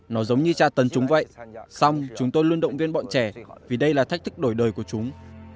nó giống như cha tấn chúng vậy xong chúng tôi luôn động viên bọn trẻ vì đây là thách thức đổi đời của chúng